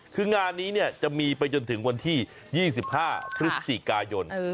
คืองานนี้จะมีไปจนถึงวันที่๒๕พฤศจิกายน